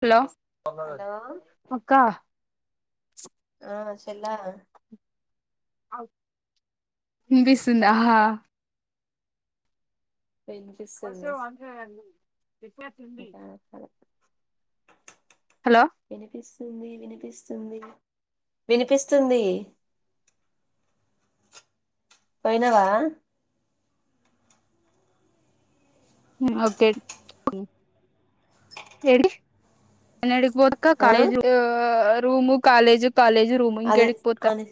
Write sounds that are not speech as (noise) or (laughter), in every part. hello hello అక్కా చెలా వినిపిస్తుందా హా వర్షె వినిపిస్తుంది (unintelligible) ఇంకా (unintelligible) హలో వినిపిస్తుంది వినిపిస్తుంది వినిపిస్తుంది పోయినావా ఓకే ఏడి (unintelligible) పోక ఆ college room college college room అదే ఇంకేడికి పోతా ఆని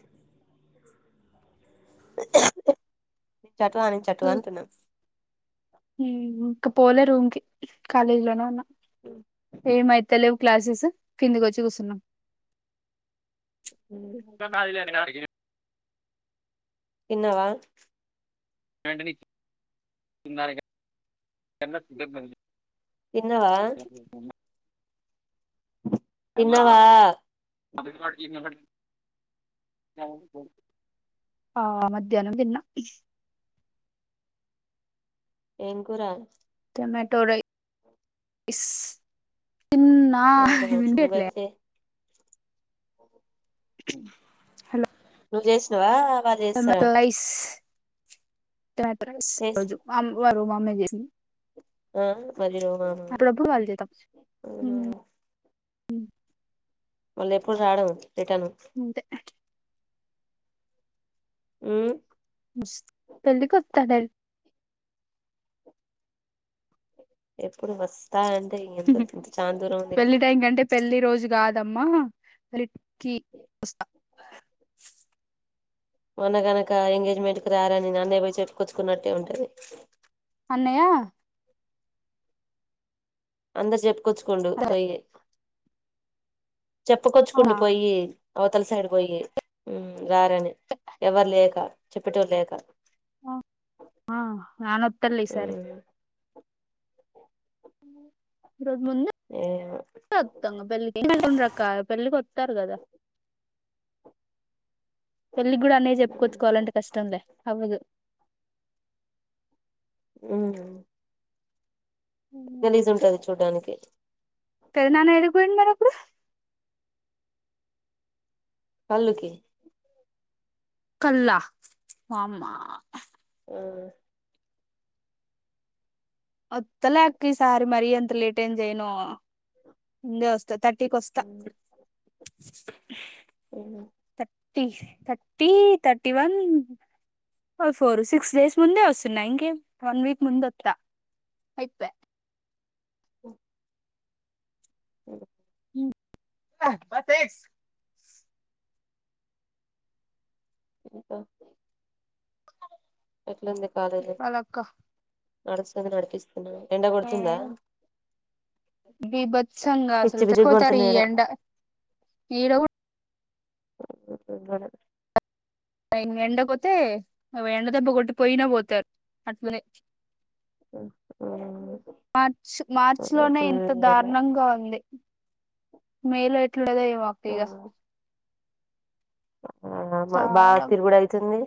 చట్వాన్ చట్వాన్ ఇంకా పోలే రూమ్ కి కాలేజ్ లోనే ఉన్నా ఏమైతలేవు క్లాసెస్ కిందికి వచ్చి కూచున్నా (unintelligible) తిన్నవా ఏంటిది తినడానిక (unintelligible) తిన్నవా తిన్నవా అది (unintelligible) ఆ మధ్యానం తిన్నా ఏం కూరా టొమాటో రైస్ తిన్నా టమాటా (unintelligible) అ హలో నువ్వు చేసినవా హమెట్లైస్ టొమాటో రైస్ ఈ చేసి రోజు మా అమ్మ వారు మా అమ్మే చేసింది ఆ మరి (unintelligible) వాళ్ళ చేతాం ఊ హ మళ్ళీ ఎప్పుడు రావడం రిటర్న్ అంతే ఉమ్ పెళ్ళికి వత్త డైరెక్ట్ ఎప్పుడు బస్ పెళ్లి టైం కంటే పెళ్లి రోజు గాదు దమ్మా కీ వస్తా మొన్నగనక ఎంగేజ్మెంట్ కు రారని అన్నయ్య పోయి చెప్పుకొచ్చుకున్నట్టే ఉంటది న అందరు చెప్పుకొచ్చుకోండు పోయి చెప్పుకొచ్చుకుండు అవునా పోయి అవతల సైడ్ కి పోయి ఉమ్ రారని ఎవరు లేక చెప్పేటోరో లేక ఆ ఆ నాన్న వస్తాడు లే ఈ సారి ఉమ్ రోడు ముందే ఏమో తంగ (unintelligible) కావ్య పెళ్ళికి వత్తారు కదా పెళ్ళి కూడా అనే చెప్పుకొచ్చుకోవాలంటే కష్టం లే అవ్వదు ఉమ్ గలిజ్ ఉంటది చూడ్డానికి పెద నాన్న ఎడకిపోయిండు మరి అప్పుడు కల్లుకి కల్లా వామ్మా ఆమ్ వత్తలే అక్క ఈ సారి మరీ ఎంత లేట్ ఏం చేయను ముందే వస్తా థర్టీకి వస్తా ఉహుమ్ thirty thirty thirty one four six days ముందే వస్తున్నాయి ఇంకే వన్ వీక్ ముందు వస్తా అయితే పెడు బస్ ఎస్ ఇంకో అలుంది కాలే చెప్పాలక్క నడుస్తుంది నడిపిస్తున్నా ఎండ కొడుతుందా బిభత్సంగా పిచ్చి అసలు పిచ్చి చనిపోతారు కొడుతున్నా ఈ ఈడ ఎండ ఏడ కు వాడే ఆ ఎండకుపోతే ఎండ దెబ్బ కొట్టి పోయినా పోతారు అట్లానే ఆమ్ ఆ మార్చ మార్చిలోనే ఫుల్ ఇంత దారుణంగా ఉంది మేలో ఎట్లుండదో ఏమో అక్క ఇగ ఎండ ఆ మా బాగా చాలా తిరుగుడు అయితుంది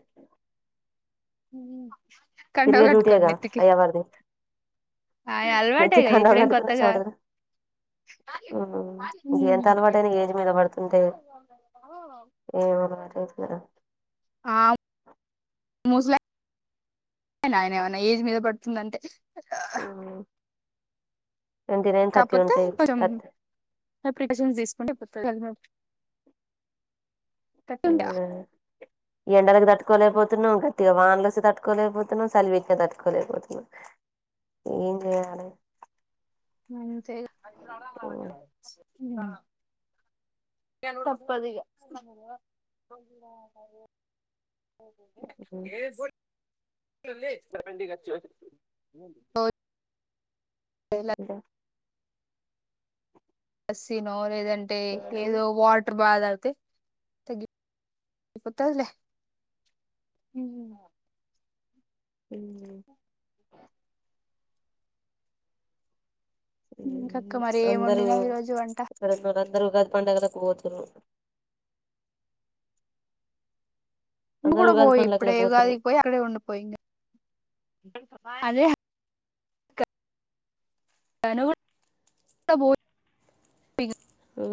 హమ్ ఫిరిగా డ్యూటీ అగా అయ్యా వారుది ఆ అలవాటే నేతికి కదా కండవ ఇప్పుడేం కట్టుకుంటే కొత్తగా చమటలు ఉహుమ్ ఇంక ఎంత అలవాటైనా ఏజ్ మీద పడుతుంటే మీ ఊరి వాళ్ళ మ్యారెజ్ కదా ఆ ముస్లైక్ వింటాడా అయనా ఏమన్నా ఏజ్ మీద పడుతుందంటే ఉమ్ ట్వంటీ నైన్ థర్టీ కాపోతే ఉంటాయి పురం థర్టీ ప్రికాషన్స్ తీసుకుంటే (unintelligible) అవునా ఎండకి తట్టుకోలేకపోతే న్నాం గట్టిగా వానలు వస్తే తట్టుకోలేకపోతున్నాం చలి పెట్టిన్నా తట్టుకోలేకపోతున్నాం ఇంక ఏం చేయాలి అంతేగ ఉమ్ తప్పదిగా ఇంకా ఏ బో ఆ ఇంకా లస్సీనో లేదంటే ఏదో వాటర్ బాగా తే తగ్గిపోతాదిలే హ హ ఇంకక్క మరి ఏం అందరు వండినావు ఈ రోజు వంట అక్కడక్కడ అందరు ఉగాది పండుగలకు పోతరు నువ్వు కూడా పో ఉగాది ఇప్పుడే పండగలకు పోతుర్రు ఉగాదికి పోయి అక్కడే ఉండు పో ఇంగ అదే అయినా కూడా (unintelligible) ఆ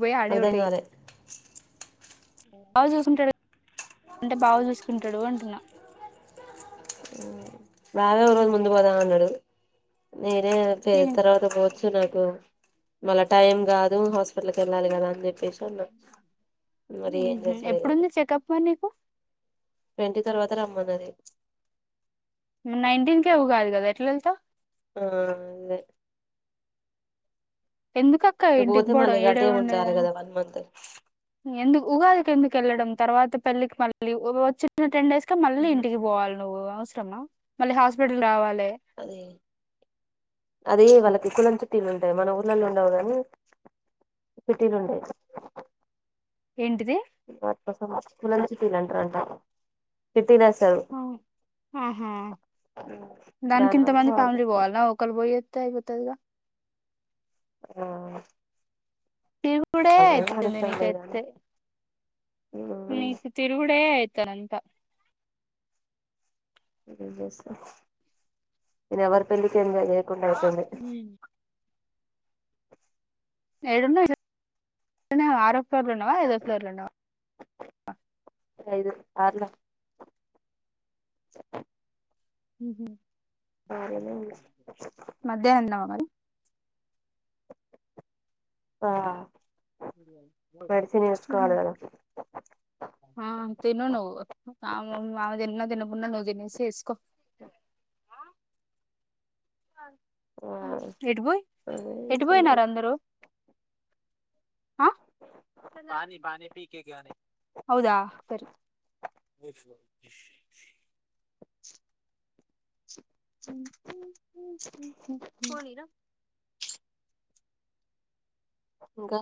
పోయి అడే అర్ధం ఉండేయి కాలే బాగా చూసుకుంటడు ఇంక బాగా చూసుకుంటడు అంటున్నా బావే ఒక రోజు ముందు పోదామన్నడు నేనేే తర్వాత పోవచ్చు నాకు మళ్ళ టైం కాదు హాస్పి టల్కెళ్ళాలి కదా అని చెప్పేసి అన్న ఎప్పుడుంది చెకప్ మరి నీకు ట్వంటీ తర్వాత రమ్మన్నది నైన్టీన్కే ఉగాది కదా ఎట్లెల్తవ్ ఆ అదే ఎందుకక్క ఇక ఇంటికి పోతే మళ్ళీ పోవడం ఇగ ఈడే అటే ఉండాలి కదా ఉండేదానికి వన్ మంత్ ఎందుకు ఉగాదికి ఎందుకు వెళ్ళడం తర్వాత పెళ్ళికి మళ్ళీ వచ్చిన్న టెన్ డేస్ మళ్ళీ ఇంటికి పోవాలి నువ్వు అవసరమా మళ్ళీ హాస్పిటల్ రావాలి అదే అదే వాళ్ళకి కులం చిట్టీలు ఉంటయి మన ఊర్లలో ఉండవు కానీ సిటీలుండెయ్ ఏంటిది కులం చిట్టిలంటరంట ఆ ఆహా దానికి ఇంత దానివల్ల మంది వాళ్ళు ఫ్యామిలీ పోవాలా ఒకరు పోయే తే అయిపోతదిగా ఆ తిరుగుడే వాళ్ళ భయం వాళ్ళకి అయితుంది తెలవదు గాని నీకైతే నీకు తిరుగుడే అయితాంది ఏం చేస్తం నేను ఎవరి పెళ్ళికి ఎల్లిన కుండ అయిపోయింది ఏడున్నవ్ ఆరో ఫ్లోర్ల ఉన్నవా ఐదో ఫ్లోర్ల ఉంన్నవా ఐదు ఆరులో ఉహు ఆరులోనే మధ్యాహ్నం తిన్నావా మరి ఆ మెడిసిన్ ఉమ్ వేసుకోవాలి కదా ఆ తిను నువ్వు ఆమె ఆమె తిన్నది నువ్వు తినేసేయి వేసుకో ఆ ఎటు పోయి అదే ఎటు అయితుంది పోయినారు అందరూ ఆ అదా సరి ఇంకా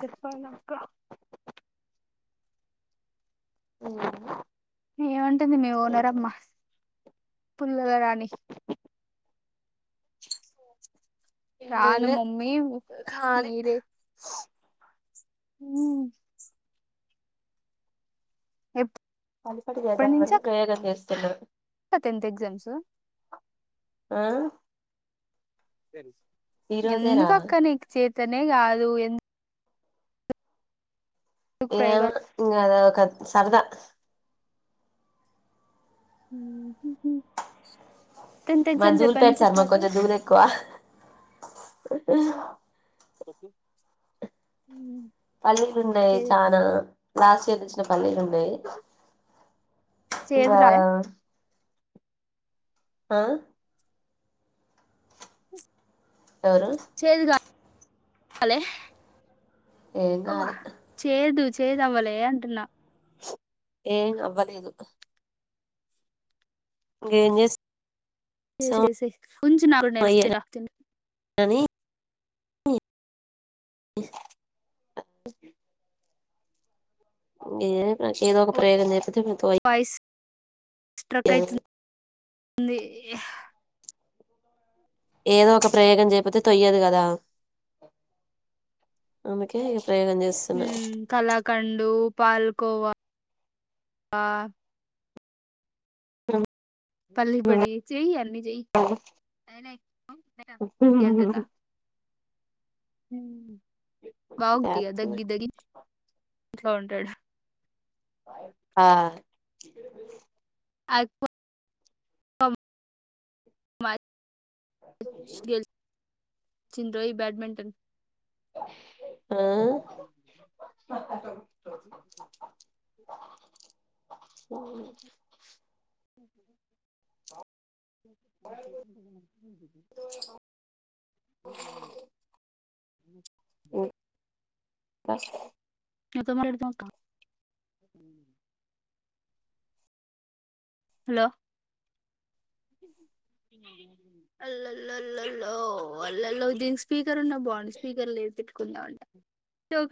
చెప్పాలక్కా అ ఏమంటుంది మీ ఓనర్ అమ్మ పుల్లల రాణి ఏం రాను లే మమ్మీ ఖాళీ మీరే ఉ ఎప్పు పల్లిపట్టి చేద్దాం అని ప్రయోగం చేస్తున్నా టెన్త్ ఎగ్జామ్స్ ఆ ఈ రోజేరా ఎందుకక్క నీకు చేతనే కాదు ఎ ఏమో ప్రయోగాలు ఇంగా అది ఒక సరదా (inaudible) టెన్త్ మాది ఎగ్జామ్స్ ఎప్పటి ధూళిపేట నుంచి సార్ మాకు స్టార్ట్ కొంచెం ధూళి ఎక్కువ ఉ పల్లీలు ఉన్నాయి చానా లాస్ట్ ఇయర్ తెచ్చిన పల్లీలు ఉ చేదు ఇంకా రాలే ఆ ఎవరు చేదుగాలే ఏం కాలే చేదు చేదవ్వలే అంటున్నా ఏ అవ్వలేదు ఇంగే చేస్ సో చేసేసి కొంచెం నాక్కూడా నేను వస్తా తింటా అయ్యారని (inaudible) నాకు ఏదో ఒక ప్రయోగం చేయపోతే వాయిస్ స్ట్రక్ అయితుంది ఏదో ఒక ప్రయోగం చేయపోతే తొయ్యదు కదా ఆమెకే కలకండు, పాలకోవా ఆ పల్లి పట్టి చెయ్యి అన్ని చెయ్యి అంటున్న బాగుటిగా చేస్తున్నా దగ్గి దగ్గి ఇంట్లో ఉంటాడు ఆ అపో (unintelligible) గెలిచిన్రోయ్ బ్యాట్మెంటన్ ఉహు మక్కతో (unintelligible) ఆ (unintelligible) లేకుంటే మంచిగుంటది (unintelligible) బస్ ఎంత మరీ పెడతాం అక్క హలో (unintelligible) అల్లల్ల అల్లల్లో దీని స్పీకర్ ఉన్నా బాగుండు స్పీకర్ లేదు పెట్టుకుందామంటే